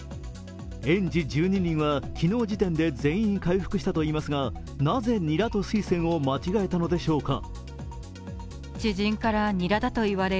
園児１２人は昨日時点で全員回復したといいますがなぜ、ニラとスイセンを間違えたのでしょうか。